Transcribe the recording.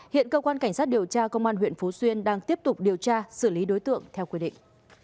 hiện cơ quan cảnh sát điều tra công an huyện phú xuyên đang tiếp tục điều tra xử lý đối tượng theo quy định